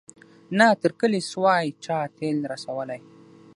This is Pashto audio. نه تر کلي سوای چا تېل را رسولای